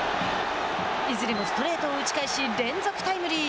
いずれもストレートを打ち返し連続タイムリー。